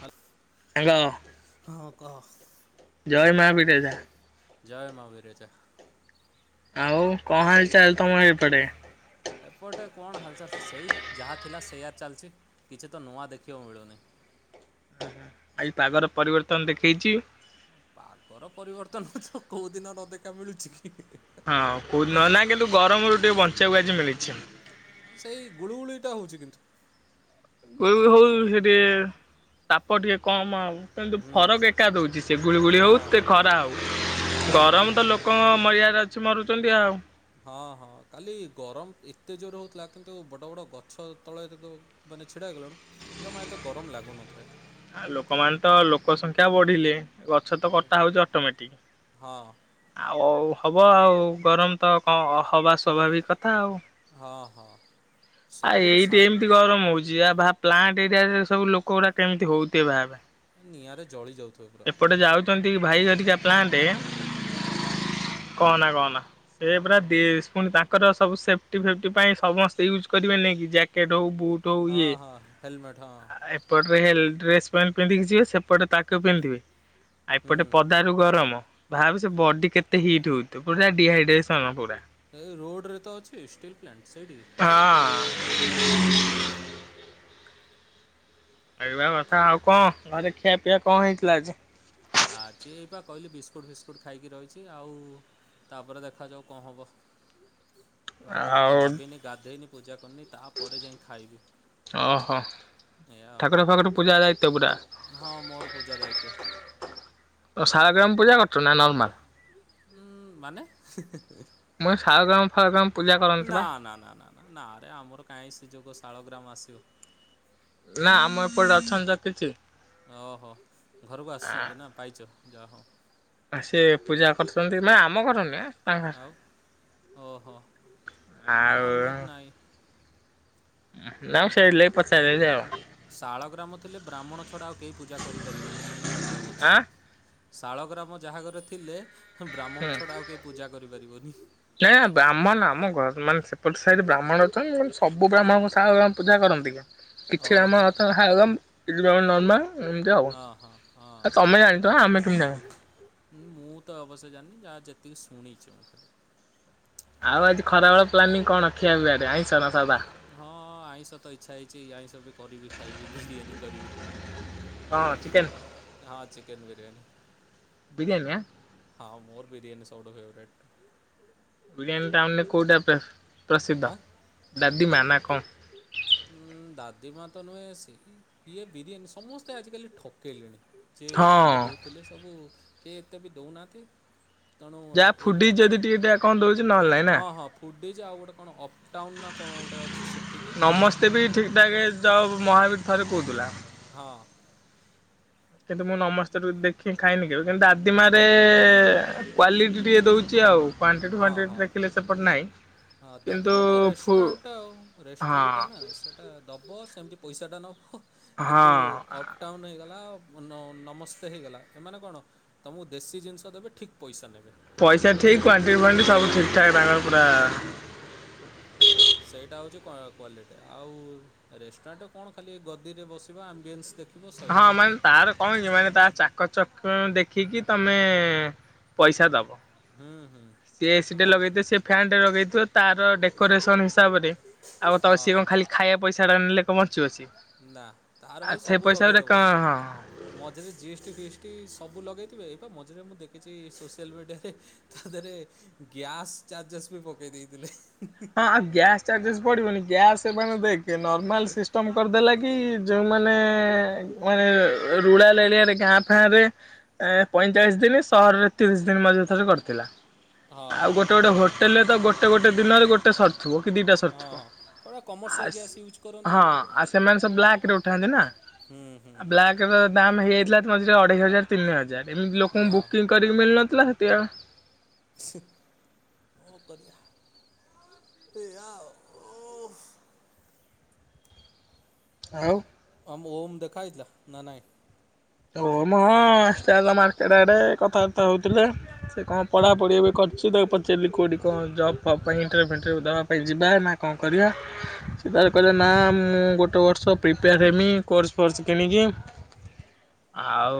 ହାଲ ସାଙ୍ଗ। ହଁ କହ। ଜୟ ମା ବିରଜା। ଜୟ ମା ବିରଜା। ଆଉ କଣ ହାଲଚାଲ ତମ ଏପଟେ। ଏପଟେ କଣ ହାଲଚାଲ ସେଇ ଯାହା ଥିଲା ସେଇୟା ଚାଲିଛି କିଛି ତ ନୂଆ ଦେଖିବାକୁ ମିଳୁନି। ଆଜି ପାଗର ପରିବର୍ତ୍ତନ ଦେଖେଇଛି। ପାଗର ପରିବର୍ତ୍ତନ ତ କୋଉ ଦିନ ନଦେଖା ମିଳୁଚି କି। ହଁ [inaudible] ନା କିନ୍ତୁ ଗରମ ରୁ ଟିକେ ବ [inaudible] ମିଳିଛି। ସେଇ ଗୁଳୁଗୁଳିୁଟା ହଉଛି କିନ୍ତୁ। [unintelligible] ସେଟି ତାପ ଟିକେ କମ୍ ଆଉ। କିନ୍ତୁ ହୁଁ ଫରକ ଏକା ଦଉଛି ସେ ଗୁଳିଗୁଳି ହଁ ହଉ ସେ ହଁ ହଁ ଖରା ହଉ ହଁ। ଗରମ ତ ଲୋକଙ୍କ ମରିିବା ମାଛି ମରୁଛନ୍ତି ଆଉ। ହଁ ହଁ କାଲି ଗରମ ଏତେ ଜୋର ହଉଥିଲା କିନ୍ତୁ ବଡ ବଡ ଗଛ ତଳେ ଏତେ ମାନେ ଛିଡା ହେଇଗଲାଣଠୁ ଜମା ଏତେ ଗରମ ଲାଗୁନଥାଏ। ଆଉ ଲୋକମାନେ ତ ଲୋକ ସଂଖ୍ୟା ବଢିଲେ। ଗଛ ତ କଟା ହଉଛି ଅଟୋମେଟିକ ହଁ। ଆଉ ହବ ଆଉ ଗରମ ତ କଣ ହବା ସ୍ଵଭାବିକ ହଁ କଥା ଆଉ। ହଁ ଆ ସବୁଠୁ ଏଇଟା ଶାନ୍ତ ଏମିତି ଗରମ ହଉଛି ଭାବେ ପ୍ଲାଣ୍ଟେ ଏରିଆରେ ସବୁ ଲୋକ ଗୁଡା କେମିତି ହଉଥିବେ ଭାବେ। ନିଆରେ ଜଳି ଯାଉ ଏପଟେ ଯାଉଛ ଭାଇଘଟିକ ପ୍ଲାଣ୍ଟ ହୁଁ କହନା କହନା ସେ ପାରା ପୁଣି ତାଙ୍କର ସବୁ ସେଫ୍ଟି ଫେଟି ପାଇଁ ସମସ୍ତେ ୟୁଜ୍ କରିବେ ନାଇ କି ଜ୍ୟାକେଟ ହଉ ବୁଟ୍ ହଉ ହଁ ହଁ ହେଲମେଟ ହଁ। ଡ୍ରେସ ପ୍ୟାଣ୍ଟ ପିନ୍ଧିକି ଯିବେ ସେପଟେ ତାକୁ ଟ ପିନ୍ଧିବେ ଆ ହୁଁ ଏପଟେ ପଦାରୁ ଗରମ ଭାବି ସେ ବଡି କେତେ ହିଟ୍ ହଉଥ ପୁରା ଡିହାଇଡ୍ରେସନ ପୁରା। ରୋଡ ରେ ତ ଅଛି ଷ୍ଟିଲ୍ ପ୍ଲାଣ୍ଟ। ସେଇଠି ହଁ ଓହୋ [inaudible] ଏବେ ଆଉ ଆଉ କଣ ଘରେ ଖିଆ ପିଆ କଣ ହେଇଥିଲା ଆଜି? ଆଛି ଏଇପା କହିଲି ବିସ୍କୁଟ୍ ଫିସ୍କୁଟ୍ ଖାଇକି ରହିଛି। ଆଉ ତାପରେ ଦେଖାଯାଉ କଣ ହେବ? ତ ତ କିଛି ଆଉ ଭାବିନି ଗାଧେଇନି ପୂଜା କରିନି ତାପରେ ଯାଇ ଖାଇବି ଓହୋ ଏଇଆ ଆଉ ଠାକୁର ପାଖର ପୂଜା ଯାଇତ ପୁରା। ହଁ ମୋର ପୂଜା ଦାୟିତ। ଓ ସାରାଗ୍ରାମ ପୂଜା କରଛୁ ନା ନର୍ମାଲ। ଉୁଁ ମାନେ ମଁ ସାଳ ଗାମ ଫାଳ ଗ୍ରାମ ନା ନା ନା ନା ନା ନା ଆରେ ଆମର କାଇହିଁ ସୁଯୋଗ କାଳଗ୍ରାମ ଆସିବ। ନା ଆମ ଏପଟେ ଅଛନ୍ତି ତ କିଛି। ଓହୋ ଘରକୁ ଆସୁଛନ୍ତି ନା ପାଇଛ। ଯାହେ ସେ ପୂଜା କରୁଛନ୍ତି ମାନେ ଆମ ଘର ନୁହେଁ। ତାଙ୍କ ଆଉ ଓ ହୋ ଆମର ନାହିଁ। ହଁ ଲାମଶ ଲାଇଇ ପଚ ଶାଳ ଗ୍ରାମ ଥିଲେ ବ୍ରାହ୍ମଣ ଛଡା ଆଉ କେହି ପୂଜା କରିପାରିବୁନି ତା ନିୟମ ଅଛି। ଆଁ ଶାଳ ଗ୍ରାମ ଯାହାଘରେ ଥିଲେ ବ୍ରାହ୍ମଣ ହୁଁ ଛଡ଼ା ଆଉ କେହି ପୂଜା କରିପାରିବନି। ନାଇ ବାମ ନାମ ଘର ମାନେ ସେ ଗୋଟେ ସାଇଡ଼ ବ୍ରାହ୍ମଣ ଅଛନ୍ତି ମୁଁ କହିଲି ସେ ସବୁ ହଁ ବ୍ରାହ୍ମଣ କଣ ଶାଳଗ୍ରାମ ପୂଜା କରନ୍ତି କଣ? କିଛି ଆମ ଓହୋ ଆ ତ ଭାଗମ୍ ଇଲୁ ବାବା ନର୍ମା ଏମିତି ହଉ ହଁ ହଁ ହଁ ଆ ତମେ ଜାଣିଥିବ ଆମେ କିନା ମୁଁ ତ ଅବଶ୍ୟ ଜାଣିନି ଯାହା ଯେତିକି ଶୁଣିଛି ମୁଁ ଖାଲି ଆଉ ଆଜି ଖରା ବେଳ ପ୍ଲାନିଂ କଣ ଖିଆପିଆରେ ଆଇଁଷ ନା ସାଧା ହଁ ଆଇଁଷ ତ ଇଚ୍ଛା ହେଇଛି ଆଇଁଷ ବି କରିବି ଖାଇବି ବିରିୟାନୀ କରିବି କଣ ଚିକେନ? ହଁ ଚି କେନ ବିରିୟାନୀ। ବିରିୟାନି ଆଁ ହଁ ମୋର ବିରିୟାନୀ ସବୁଠୁ ଫେବରେଟ୍। ବରିୟାନୀ ଟାଉନରେ କଉଟା ପ୍ରସ ପ୍ରସିଦ୍ଧ ଆଁ ଦା ଡିମା ନା କଣ? ଉଁ ଦାଦି ମା ତ ନୁହେଁ ସେ ଇଏ ବିରିୟାନୀ ସମସ୍ତେ ଆଜିକାଲି ଠକେଇଲେଣି। ସିଏ ହଁ ଭଲ ଦଉଥିଲେ ସବୁ କେ ଏତେ ବି ଦଉନାହାନ୍ତି। ତେଣୁ ଯାହା ଫୁଡି ଏଇକିଣା ଯଦି ଟିକେ ଟା କଣ ଦଉଛି ନହେଲେ ନାଇଁ ନା। ଦେଇଛି ଆଉ ଗୋଟେ କଣ ଅଫ? ଟାଉନ ନା କଣ ଗୋଟେ ଅଛି ସେଠିକି ତେବେ ଇ ଠିକ୍ ଠାକେ ଯବ ମହାବୀର ଥରେ କହୁଥିଲା। ହଁ କିନ୍ତୁ ମୁଁ ନମସ୍ତେ ଠୁଦେଖି ଖାଇନି କେବେ କିନ୍ତୁ ଆଦିମାରେ ଏ- କ୍ଵାଲିଟି ଟିକେ ଦଉଛି ଆଉ। କ୍ୱାଣ୍ଟିଟି ହଁ ଫ୍ୱାଣ୍ଟିଟି ହଁ ଦେଖିଲେ ସେପଟେ ନାହିଁ। ହଁ କିନ୍ତୁ ଦାଦିମାଟା ଫୁ ରେଷ୍ଟୁରାଣ୍ଟା ଆଉ ହଁ ରେଷ୍ଟୁରାଣ୍ଟା ନା ସେଇଟା ଦବ ସେ ଏମିତି ପଇସାଟା ନବ। କିନ୍ତୁ ହଁ ଅପ ଟାଉନ ହେଇଗଲା ଆଉ। ନମସ୍ତେ ହେଇଗଲା ଏମାନେ କଣ ତମକୁ ଦେଶୀ ଜିନିଷ ଦେବେ ଠିକ୍ ପଇସା ନେବେ। ପଇସା ଠିକ୍ କ୍ୱାଣ୍ଟି ବି ସବୁ ଠିକ୍ ଠାକ୍ ସବୁ ତାଙ୍କ ଠିକ୍ ପୁରା ହଁ ହଁ। କ୍ୱା-କ୍ୱାଲିଟି ଆଉ ରେଷ୍ଟୁରାଣ୍ଟ କଣ ଖାଲି ଗଦିରେ ବସିବା ଆମ୍ବିଏନ୍ସ ଦେଖିବା ହଁ ମାନେ ତାର କଣକି ମାନେ ତା ଚାକ ଚକଣ ଦେଖ ରଖିକି ତମେ ପଇସା ଦବ। ହୁଁ ସିଏ ଏସିି ହୁଁ ଟେ ମ ଲଗେଇଥିବେ ସେ ଫ୍ୟାନ୍ ଟେ ଲଗେଇ ତ ତାର ଡେକୋରେସନ୍ ହିସ ତ ହବନି ଆଉ ତ ହଁ ସିଏ କଣ ହଁ ଖାଲି ଖାଇବା ପଇସା ଟା ନେଲେ ତମ ନା ତାର ଭାଇ ସବୁ ପଇସା ଗୁରା ଲଗେଇଦବ କଣ ହଁ ମଝିରେ ଜିଏସ୍ ଟି ଫିଏସ୍ ଟି ସବୁ ଲଗେଇ ଏ ବା ମଝିରେ ମୁଁ ଦେଖିଛି ସୋସିଆଲ ମିଡିଆରେ ତା ଦେହରେ ଗ୍ୟାସ୍ ଚାର୍ଜସେ ବି ପକେଇ ଦେଇଥିଲେ। ହଁ ଆଉ ଗ୍ୟାସ ଚାର୍ଜେସେ ପଢିବନି ଗ୍ୟାସ୍। [unintelligible] କେ ନର୍ମାଲ ସିଷ୍ଟମ୍ କରିଦେଲା କି ଯେଉଁମାନେ ମାନେ ରୁରାଲ ଏରିଆରେ ଗାଁ ଫାଁ ରେ ପଇଁଚାଳିଶ ଥିଲେ ସହରରେ ତିରିଶ ଦିନ ମଝିରେ ଥରେ କରିଥିଲା। ହଁ ଆଉ ଗୋଟେ ଗୋଟେ ହୋ ହୋଟେଲ ରେ ତ ଗୋଟେ ଗୋଟେ ଦିନରେ ଗୋ। [unintelligible] ଥିବ କି ଦିଟା ହଁ ସରିଥିବ ହଁ ପୁରା ଆ କମର୍ସିଆଲ୍ ଗ୍ୟାସ୍ ସେ ୟୁଜ୍ କରନ୍ତି ହଁ ଆଉ ଆ ସେମାନେ ସବୁ ବ୍ଲାଙ୍କ ରେ ଉଠାନ୍ତି ନା ହୁଁ ହୁଁ ବ୍ଲାଙ୍କ ରେ ଦାମ୍ ହେଇଯାଇଥିଲା ତ ମଝିରେ ଅଢେଇ ହଜାର ତିନି ହଜାର। ଏମିତି ଲୋକଙ୍କୁ ନା ବୁକିଂ କରିକି ମିଳିନଥିଲା। [unintelligible] ସେ କଣ କରିବା [unintelligible] ଆଉ। ଆମ ଓମ୍ ଦେଖାହେଇଥିଲା ନା ନାଇଁ? ଓମ୍ ହଁ ଆସିଥିଲା। ମାର୍କେଟ ଆଡ଼େ କଥାବାର୍ତ୍ତା ହେଉଥିଲେ ସେ କଣ ପଢ଼ାପଢ଼ି ଏବେ କରୁଛି ତାକୁ ପଚାରିଲି କଉଠି କଣ ଜବ୍ ଫବ୍ ପାଇଁ ଇଣ୍ଟରଭ୍ୟୁ ଫିଇଣ୍ଟଭ୍ୟୁ ଦବା ପାଇଁ ଯିବା ନା କଣ କରିବା ସେ ତ କହିଲା ନା ମୁଁ ଗୋଟେ ବର୍ଷ ପ୍ରିପେୟାର ହେମି କୋର୍ସ ଫୋର୍ସ କିଣିକି। ଆଉ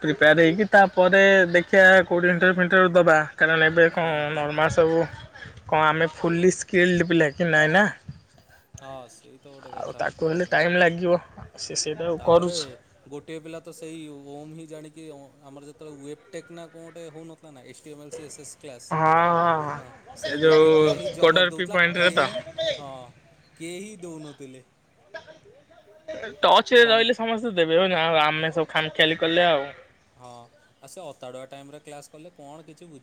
ପ୍ରିପେୟାର ହେଇକି ତାପରେ ଦେଖିବା କୋଉଠି ଇଣ୍ଟରଭ୍ୟୁ ଫିଣ୍ଟରଭ୍ୟୁ ଦବା। କାରଣ ଏବେ କଣ ହଁ ହଁ ନର୍ମାଲ ସବୁ କଣ ଆମେ ଫୁଲି ସ୍କିଲ୍ଡ ପିଲା କି ନାଇଁ ନା। ହଁ ସେଇ ତ ଗୋଟେ ଆଉ କଥା ତାକୁ ହେଲେ ପ୍ରୋବ୍ଲେମ୍ ଟାଇମ୍ ଲାଗିବ ସେ ସେ। ତାପରେ [unintelligible] ଗୋଟିଏ ପିଲା ତ ସେଇ ଓମ୍ ହିଁ ଜାଣିକି ଆମର ଯେତେବେଳେ ୱଟେକ ନା କଣ ଗୋଟେ ହଉନ ଏଟିଏମ୍ ଲ୍ ଏସେସ୍ କ୍ଲାସ୍ ହଁ ହଁ। ଏ ସେଇ ଯୋଉ ଗୋଟିଏ ପିଲା ହି କୋଡର ଜବାବ୍ ପି ଦଉଥିଲା ଆଉ ପଏଣ୍ଟରେ ତ କେହି ହଁ କେହି ଦଉନ। [unintelligible] ଟଚ୍ ରେ ରହିଲେ ସମସ୍ତେ ଦେବେ ହଁ ନା ଆଉ ଆମେ ସବୁ ଖାମ୍ ଖିଆଲି କଲେ ଆଉ। ହଁ ଆଉ ସେ ଅତାଡୁଆ ଟାଇମ୍ ରେ କ୍ଲାସ୍ କଲେ କଣ କିଛି ବୁ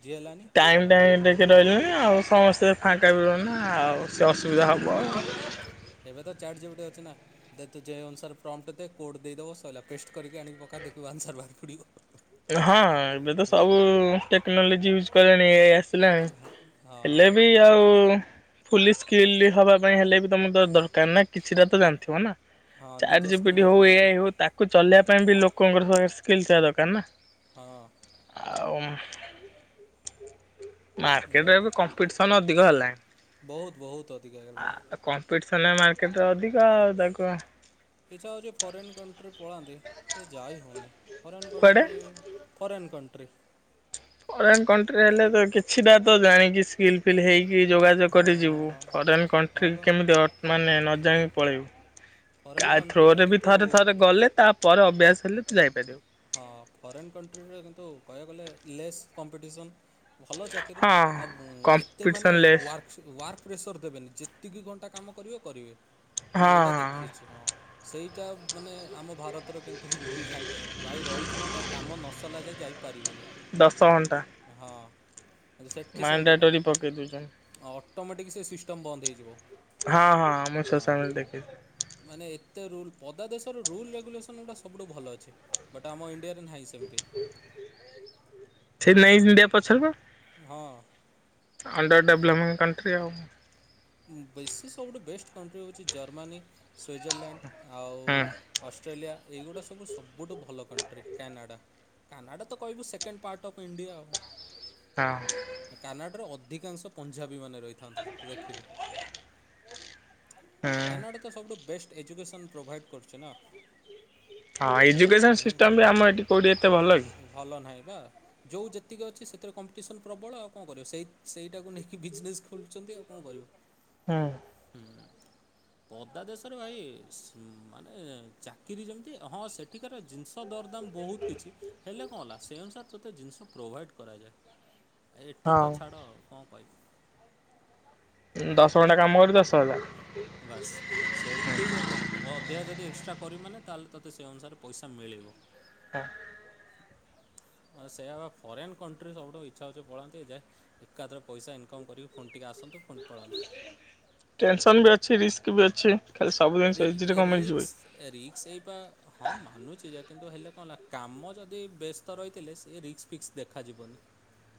ଟାଇମ୍ ଟିକେ ରହିଲେନି ଆଉ ସମସ୍ତେ ହଁ ଫାଙ୍କା ବି ରହବେନି ଆଉ ସେ ଅସୁବିଧା ଏବ୍ ହବ। ଏବେ ତ ଚାଟ୍ ଜିପିଟି ଅଛି ନା। ତୁ ଯେ ଅନୁସାର ପ୍ରର୍ମଟ ଦେ କୋଡ ଦେଇଦବ ସଇଲା ପେଷ୍ଟ୍ କରିକି ଆଣିକି ପକା ଦେଖିବୁ ଆନ୍ସର ବାହାରି ପଡିବ। ହଁ ଏବେ ତ ସବୁ ଟେକ୍ନୋଲୋଜି ୟୁଜ୍ କଲେଣି। [unintelligible] ଆସିଲାଣି ହେଲେ ହଁ। ବି ଆଉ ଫୁଲି ସ୍କିଲଡ ହବା ପାଇଁ ହେଲେ ବି ତମ ତ ଦରକାର ନା କିଛିଟା ତ ଜାଣିଥିବ ନା। ହଁ ଚାର ନିଜ ସ୍କିଲ୍ ଜପିଡି ହଉ ନିଜେ ଜାଣିଥିବ ଏଆଇ ହଉ ତାକୁ ଚଲେଇବା ପାଇଁ ବି ଲୋକ [unintelligible] ସ୍କିଲ୍ ଟା ଦରକାର ନା। ହଁ। ଆଉ ଏଇଆ ମାର୍କେଟରେ ଏବେ କମ୍ପିଟିସନ ଅଧିକ ହେଲାଣି। ବହୁତ ବହୁତ ଅଧିକା ଆ ହେଇଗଲାଣି। କମ୍ପିଟିସ୍ ସେମାନେ ମାର୍କେଟ୍ ରେ ଅଧିକ ଆଉ ତାକୁ ଇଛା ହଉଛି ଫରେନ୍ କଣ୍ଟ୍ରି ପଳାନ୍ତି। ଏ ଯାଇ ହଉନି। ଫରେନ୍ କୁଆଡେ country foreign country. Foreign କଣ୍ଟ୍ରିରେ ହେଲେ ତ କିଛିଟା ତ ଜାଣିକି ସ୍କିଲ୍ ଫିଲ୍ ହେଇକି କି ଯୋଗାଯୋଗ ହଁ କରି ହଁ ଯିବୁ ହଁ ଫରେନ୍ ହଁ କଣ୍ଟ୍ରି ବା କେମିତି ଅ ମାନେ ନ ଯାଇଁକି ପଳେଇବୁ। ଫରେନ୍ କା କଣ୍ଟ୍ରିରେ ଥ୍ରୋରେ ବି ଥରେ କିନ୍ତୁ ଥରେ ଗଲେ ତାପରେ ଅଭ୍ୟାସ ଥିଲେ ତୁ ଯାଇପାରିବୁ। ହଁ ଫରେନ୍ କଣ୍ଟ୍ରିରେ କିନ୍ତୁ କହିବାକୁ ଗଲେ ଲେସ୍ କମ୍ପିଟିସନ୍। ଭଲ ଚାକିରି ହଁ ଆଉ ଏତେ ମାନେ competition less works work pressure ଦେବେନି ଯେତିକି ଘଣ୍ଟା କାମ କରିବେ କରିବେ। ମୁଁ ଏଇଟା ଦେଖିଛି ହଁ। ସେଇଟା ମାନେ ଆମ ଭାରତ ତର କିନ୍ତୁ ରୁଲ୍ ନାହିଁ। ରହିଛୁ ମାନେ କାମ ନସଲା ଯାଏ ଯାଇ ପାରିବୁନି ଦଶ ଘଣ୍ଟା ହଁ। ସେଠି ସେମିତି ନାହିଁ ମାଣ୍ଡାଟୋରି ପକେଇ ଦୁଉଚ଼ନୀ। ଅଟୋମେଟିକ୍ ସେ ସିଷ୍ଟମ୍ ବନ୍ଦ ହୋଇଯିବ। ହଁ ହଁ ମୁଁ ସୋସାମିଲ୍ ଦେଖଛି। ରୁଲ ରେଗୁଲେସନ୍ଟା ସବୁଠୁ ଭଲ ଅଛି। ବଟ ଆମ ଇନ୍ ଇଆରେ ନାହିଁ ସେମତି। ସେଇଥିଲାଗି ଇଣ୍ଡିଆ ପଛରେ ବା। ହଁ। ଡେଭ୍ଲପିଂ କଣ୍ଟ୍ରି ଆଉ ବେଶୀ ସବୁଠୁ ବେଷ୍ଟ କଣ୍ଟ୍ରି ହଉଛି ଜର୍ମାନୀ, ସୁଇଜରଲ୍ୟାଣ୍ଡ ଆଉ ହଁ ଅଷ୍ଟ୍ରେଲିଆ। ଏଇଗୁଡ଼ା ସବୁ ସବୁଠୁ ଭଲ କଣ୍ଟ୍ରି କାନାଡ଼ା। କାନାଡ଼ା ତ କହିବୁ ସେକେଣ୍ଡ ପାର୍ଟ ଅଫ୍ ଇଣ୍ଡିଆ ହୁଁ ଆଉ। କାନାଡରେ ଅ ଅଧିକାଂଶ ପଞ୍ଜାବୀ ମାନେ ରହିଥାନ୍ତି ତୁ ଦେଖିବୁ। ଆଉ କାନାଡ଼ା ତ ସବୁଠୁ ବେଷ୍ଟ ଏଜୁକେସନ୍ ପ୍ରୋଭାଇଡ଼୍ କରୁଛ ନା ହଁ ଏଜୁକେସନ ହୁଁ ସିଷ୍ଟମ୍ ବି ଆମ ଏଠି କଉଠି ଏତେ ଭଲ କି ଭଲ ନାହିଁ। ବା ଯେଉଁ ଯେତିକି ଅଛି ସେଥିରେ କମ୍ପିଟିସନ୍ ପ୍ରବଳ ଆଉ କଣ କରିବ ସେଇ ସେଇଟାକୁ ନେଇକି ବିଜନେସ୍ ଖୋଲୁଛନ୍ତି ଆଉ କଣ କରିବ? ହୁଁ ପଦାଦେଶରେ ଭାଇ ମାନେ ଚାକିରି ଯେମିତି ହଁ ସେଠିକାର ଜିନିଷ ଦରଦାମ ବହୁତ କିଛି ହେଲେ କଣ ହେଲା ସେ ଅନୁସାରେ ତୋତେ ଜିନିଷ ପ୍ରୋଭାଇଡ଼୍ କରାଯାଏ? ଏଠି ତ ହଁ ଛାଡ଼ ଆଉ କଣ କହିବି? ଦଶ ଘଣ୍ଟା କାମ କର ଦଶ ହଜାର। ବାସ ସେଠିସେମିତି ନାଇଁ ଅଧ ଯଦି ଏକ୍ସଟ୍ରା କରିବାନେ ତାହେଲେ ତୋତେ ସେ ଅନୁସାରେ ପଇସା ମିଳିବ। ହଁ। ସେ ଫରେନ କଣ୍ଟ୍ରି ସବୁଠୁ ଇଚ୍ଛା ହଉଛି ପଳାନ୍ତି ଯେ ଏକାଥ୍ର ପଇସା ଇନକମ୍ କରିକି ଫୋନ୍ ଟିକେ ଆସନ୍ତୁ। ପୁଣି ପଳାନ୍ତୁ ଟେନସନ ବି ଅଛି ରିସ୍ କି ବି ଅଛି। ଖାଲି ସବୁ ଜିନିଷ ରିକ ଇଜିରେ କଣ ମିଳିଯିବ କି ହୁଁ ରିକସ ରିକ୍ସ ଏଇ ବା ହଁ ମାନୁଛି। କିନ୍ତୁ ହେଲେ କଣ ହେଲା କାମ ଯଦି ବ୍ୟସ୍ତ ରହିଥିଲେ ସେ ରିକ୍ସକ ଫିକ୍ସ ଦେଖାଯିବନି।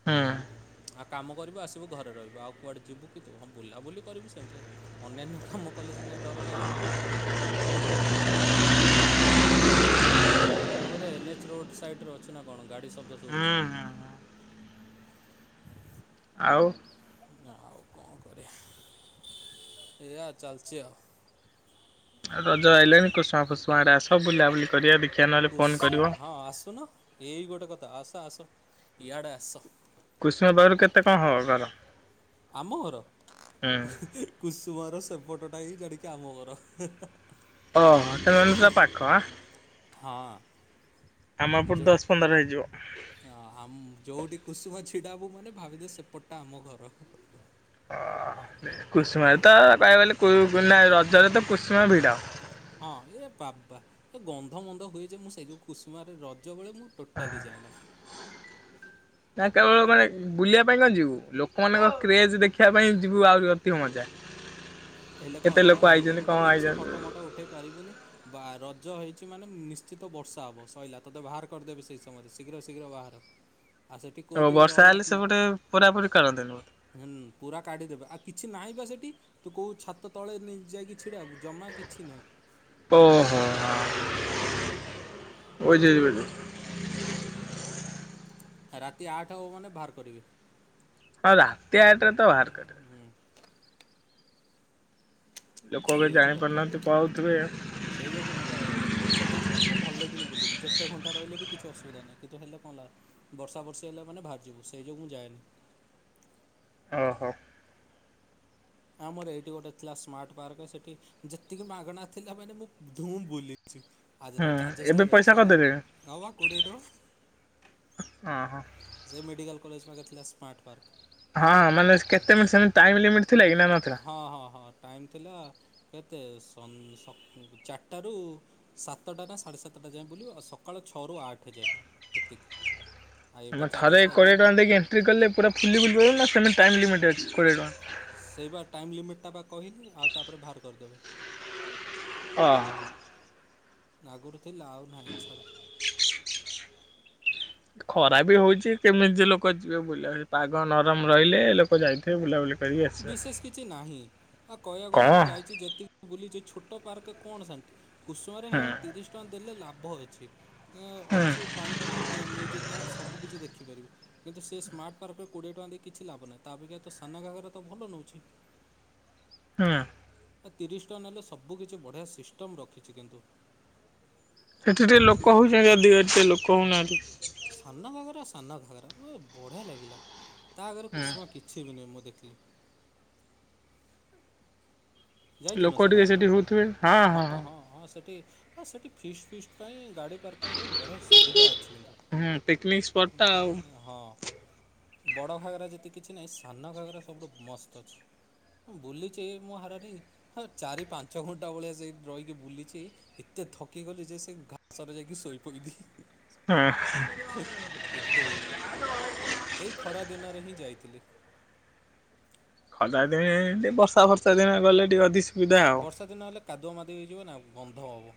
ହଁ। ଆଉ କାମ କରିବୁ ଆସିବୁ ଘରେ ରହିବ ଆଉ କୁଆଡ଼େ ଯିବୁ କି ତୁ ହଁ ବୁଲାବୁଲି କରିବୁ ସେମିତି ଅନ୍ୟାନ୍ୟ କାମ କଲେ ସିନା ଡର ଲାଗିବ। ବୋଧେ ଏନ୍- ଏଚ ରୋଡ ସାଇରେ ଅଛି ନା କଣ ଗାଡି ତୋ ପସେ ହୋଉଛି ହୁଁ ଆଉ ଆଉ କଣ କରିବା ଏଆ ଚାଲିଛି ଆଉ। ରଜ ଆଇଲଲେଣି କୁଷୁମା ଫୁଷୁମା ଆଡେ ଆସ ବୁଲାବୁଲି କରିବା ଦେଖି କୁସୁ ହଁ ଆସୁନ ଏଇ ଗୋଟେ କଥା ଆସ ଆସ। ୟାଡେ ଆସ। କୁସୁମା ପାଖରୁ କେତେ କଣ ହବ ଘର? ଆମ ଘର ହୁଁ କୁସୁମର ସେପଟ। ଟଟା ହେଇ ଜାଡିକି ଆମ ଘର ଓହୋ ତ ମପଲା ପୁରା ପାଖ ଆଁ ହଁଅ ଆମପୁର ଦଶ ପନ୍ଦର ହେଇ ଯିବ ଆ ଆମ ଯଉଠି କୁସୁମ ଛିଡାବୁ ମାନେ ଭାବିଦେ ସେପଟାଆମ ଘର ଅ ହଁ [inaudible] କୁସୁମାରୀ ହେଲା ତ କହ ଗଲେ ତ କୁ ନା ରଜ ରେ ତ କୁସୁମା ଭିଡ଼ ହଁ ଏ ବାବା ଏ ଗନ୍ଧ ମଧ ହୁଏ ଯେ ମୁଁ ସେଇ ଯୋଉ କୁସୁମାରେ ରଜ ଯେଉଁବେଳେ ମୁଁ ଟୋଟାଲି ଯାଏନା। ନା କେବଳ ମାନେ ବୁଲିବା ପାଇଁ କଣ ଯିବୁ ଲୋକମାନଙ୍କ କ୍ରେଜ ଦେଖିବା ପାଇଁ ଯିବୁ ଆହୁରି ଅତି ମଜା ହେଲେ କଣ କେତେ ହେଲା ଲୋକ ଭିଡି ଆଇଛନ୍ତି ଭିଡ କଣ କିଛି ଆଇଛନ୍ତି ଫଟୋ ଫଟ ଉଠେଇ ପାରିବୁନି ବା ରଜ ହେଇଛି ମାନେ ନିଶ୍ଚିତ ବର୍ଷା ହେବ ସରଲା ତତେ ବାହାର କରିଦେବେ ସେହି ସମୟରେ ଶୀଘ୍ର ଶୀଘ୍ର ବାହାର ଆଉ ସେଠି ଓ କୋଉଠି ବର୍ଷା ରହିବା ହେଲେ ସେପଟେ ପୋରାପୋରି କରନ୍ତିନି ବୋଧେ। ହୁଁ ପୁରା କାଢିଦେବେ ଆଉ କିଛି ନାହିଁ ବା ସେଠି ତୁ କହୁ ଛାତ ତଳେ ନେଇ ଯାଇକିଛି ଛିଡ଼ାକୁ ଜମା କିଛି ନାହିଁ। ଓହୋ ଓଯେଭି ରାତି ଆଠା ବ ମାନେ ବାହାର କରିବେ ହଁ ରାତି ଆଠରେ ତ ବାହାର କରିବେ ହୁଁ ଲୋକ ସେଇ ବି ହଉଛି କଥା ଜାଣିପାରୁନାହାନ୍ତି ପଳଉଥିବେ ସେଇ ଯୋଗୁ ମୁଁ ପଇସା ଦେଇଛି ମାନେ ମୁଁ ଭଲ କିଣ ବୁଲିବି ଯେତେ କେତେ ଘଣ୍ଟା ରହିଲେ ବି କିଛି ଅସୁବିଧା ନାହିଁ କିନ୍ତୁ ହେଲେ କଣ ହେଲା ବର୍ଷା ବର୍ଷେ ହେଲେ ମାନେ ବାହାରିଯିବୁ ସେଇ ଯୋଗୁଁ ମୁଁ ଯାଏନି। ଓହୋ ହଁ ମୋର ଏଇଠି ଗୋଟେ ଥିଲା ସ୍ମାର୍ଟ ପାର୍କ ସେଠି ଯେତିକି ମାଗଣା ଥିଲା ମାନେ ମୁଁ ଧୁଁ ବୁଲି ଆଜି ତ ହୁଁ ଚାର୍ଜେସ୍ ଏବେ ଲାଗିଲା ପଇସା ସରିଲା କରିଦେଲେଣି ହ ବା କୋଡିଏ ଟଙ୍କା ଓହୋ। ସେ ମେଡିକାଲ କଲେଜ ପାଖରେ ଥିଲେ ସ୍ମାର୍ଟ ପାର୍କ ହଁ ମାନେ କେତେ ମିନିଟ ସେମିନି ଟାଇମ୍ ମ୍ଲିମିଟ ହଁ ହଁ ହଁ ଟାଇମ୍ ଥିଲା କେତେ ସଂ କା ସଂ ଚାରିଟାରୁ ସାତଟା ନା ସାଢ଼େ ସାତଟା ଯାଏଁ ବୁଲିବ ସକାଳ ଛଅରୁ ଆଠ ଯାଏଁ ଏତିକି। ଆଉ ଏବେ ଆମ ଥରେ ଚାର୍ଜେସ୍ କ ଲାଗିବ ଟା ଦେଇକି ଏଣ୍ଟ୍ରି କଲେ ପୁରା ଫୁଲି ବୁଲି ଅଇଲ ସେମେ ଟାଇମ୍ ଲିମିଟ ଅଛି କୋଡିଏ ଟଙ୍କା। ସେଇ ବା ଟାଇମ୍ ଲିମିଟ୍ଟା ବା କହିଲି ଆଉ ତାପରେ ବାହାର କରିଦେବେ। ଓହଁ ନାଗରୁ ଲାଉ ନାହିଁ ଛାଡ଼। ଖରା ବି ହଉଛି କେମିତି ଲୋକ ଯିବେ ବୁଲା ବୁଲି ପାଗ ନରମ ରହିଲେ ଲୋକ ଯାଇଥିବେ ବୁଲାବୁଲି କରିକି ଆସିବେ। ବିଶେଷ କିଛି ନାହିଁ ହଁ କହିଆକୁ କଣ ଗଲେ ମୁଁ ଯାଇଛି ଯେତିକି ବୁଲିଛି ଛୋଟ ପାର୍କ କଣ ଶାନ୍ତି କୁସୁମା ରେ ହୁଁ ହଁ ତିରିଶ ଟଙ୍କା ଦେଲେ ଲାଭ ବହୁତ ଅଛିି। ଏ ହୁଁ ଅଛି ପାଣି ଫାଣି ମ୍ୟୁଜିକ୍ ଡ୍ୟାନ୍ସ ସବୁ କିଛି ଦେଖ ଦେଖିପାରିବୁ କିନ୍ତୁ ସେ ସ୍ମାର୍ଟ ପାର୍କରେ କୋଡିଏ ଟଙ୍କା ଦେଇ କିଛି ଲାଭ ନାହିଁ ତା ଅପେକ୍ଷା ତ ସାନ ଘାଗରା ତ ତ ଭଲ ନଉଛି। ହୁଁ। ଆ ତିରିଶ ଟଙ୍କା ନେଲେ ସବୁ କିଛି ବଢ଼ିଆ ସିଷ୍ଟମ୍ ରଖିଛି କିନ୍ତୁ ସେଠି ଟିକେ ଲୋକ ହଉଛନ୍ତି ଅଧିକ ଏ ସେ ଲୋକ ହଉନାହାଁନ୍ତି। ସାନ ଘାଗରା ସାନ ଘାଗରା ଓ ବଢ଼ିଆ ଲାଗିଲା। ତା ଆଗରେ ହୁଁ କୁସୁମା କିଛି ବି ନୁହେଁ ମୁଁ ଦେଖି ଥିଲି। ଲୋକ ଟିକେ ସାନଘାଗରା? ସେଠି ହଉଥିବେ ହଁ ହଁ ହଁ। ଏ ସେଠି ଫିଷ୍ଟ୍ ଫିଷ୍ଟ୍ ପାଇଁ ଗାଡ଼ି ପାର୍କିଂ ପାଇଁ ବଢ଼ିଆ ସୁବିଧା ଅଛି କିନ୍ତୁ ହୁଁ ପିକନିକ ସ୍ପଟ ଟା ଆଉ। ହଁ। ବଡ଼ ଘାଗରା ଯେତେ କିଛି ନାହିଁ ସାନ ଘାଗରା ସବୁଠୁ ମସ୍ତ ଅଛି ମୁଁ ବୁଲିଛି ମୋ ହାରାହାରି ହଁ ଚାରି ପାଞ୍ଚ ଘଣ୍ଟା ଭଳିଆ ସେଇଠି ରହିକି ବୁଲିଛି ଏତେ ଥକି ଗଲି ଯେ ସେ ଘାସ ରେ ଯାଇକି ଶୋଇ ପଇଲି। ହଁ ଏତେ ଇଏ ଏଇ ଖରା ଦିନରେ ହିଁ ଯାଇ ଥିଲି। ଖରା ଦିନେ ଟିକେ ବର୍ଷା ବର୍ଷା ଦିନ ଗଲେ ଟିକେ ଅଧି ବର୍ଷା ଦିନ ହେଲେ କାଦୁଅ ମାଦୁଅ ହେଇଯିବ ନା ଗନ୍ଧ ହବ।